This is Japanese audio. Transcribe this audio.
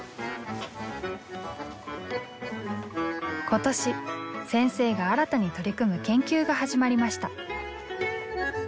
今年先生が新たに取り組む研究が始まりました。